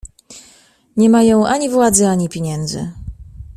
"Nie mają ani władzy, ani pieniędzy."